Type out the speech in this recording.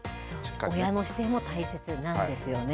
親の姿勢も大切なんですよね。